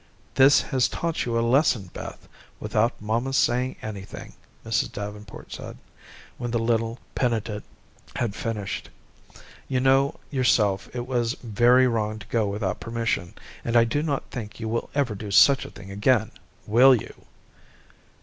"This has taught you a lesson, Beth, without mamma's saying anything," Mrs. Davenport said, when the little penitent had finished. "You know yourself it was very wrong to go without permission, and I do not think you will ever do such a thing again, will you?"